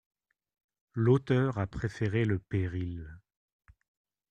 L’auteur a préféré le péril.